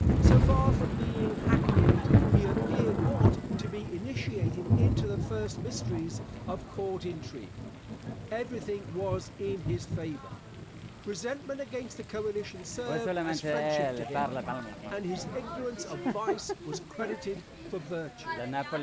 So far from being hackneyed, he appeared not to be initiated into the first mysteries of court intrigue. Everything was in his favour. Resentment against the coalition served as friendship to him, and his ignorance of vice was credited for virtue.